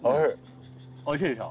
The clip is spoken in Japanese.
おいしいでしょ？